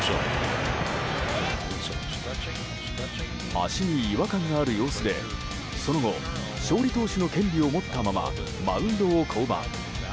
足に違和感がある様子でその後、勝利投手の権利を持ったままマウンドを降板。